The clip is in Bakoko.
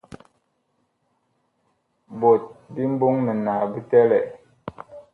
Ɓot bi mbɔŋ minaa bu bi tɛlɛɛ.